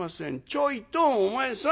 「ちょいとお前さん。